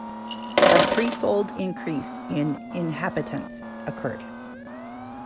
A threefold increase in inhabitants occurred.